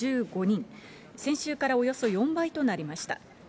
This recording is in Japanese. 先週からおよそ４倍となりました。